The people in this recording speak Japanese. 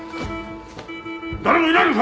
誰もいないのか！